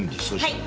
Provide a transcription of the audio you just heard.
はい。